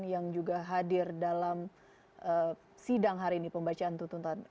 yang juga hadir dalam sidang hari ini pembacaan tuntutan